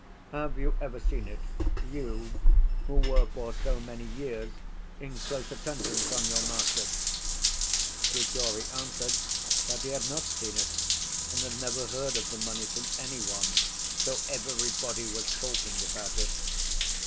"Have you ever seen it, you, who were for so many years in close attendance on your master?" Grigory answered that he had not seen it and had never heard of the money from any one "till everybody was talking about it."